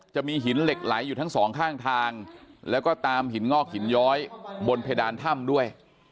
จะมีหินเหล็กไหลอยู่ทั้งสองข้างทางแล้วก็ตามหินงอกหินย้อยบนเพดานถ้ำด้วย